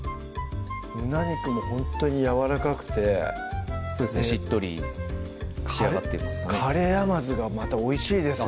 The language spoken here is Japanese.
胸肉もほんとにやわらかくてしっとり仕上がってますかねカレー甘酢がまた美味しいですね